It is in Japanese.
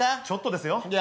ちょっとですよ。